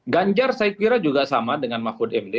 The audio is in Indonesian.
ganjar saya kira juga sama dengan mahfud md